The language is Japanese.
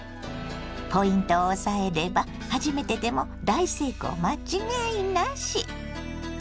ポイントを押さえれば初めてでも大成功間違いなし。